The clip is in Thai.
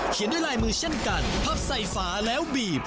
ด้วยลายมือเช่นกันพับใส่ฝาแล้วบีบ